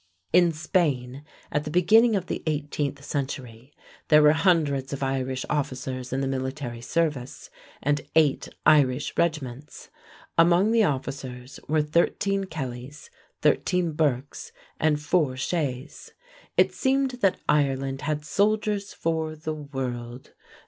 In Spain at the beginning of the 18th century there were hundreds of Irish officers in the military service, and eight Irish regiments. Among the officers were thirteen Kellys, thirteen Burkes, and four Sheas. It seemed that Ireland had soldiers for the world.